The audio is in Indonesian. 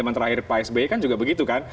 zaman terakhir pak sby kan juga begitu kan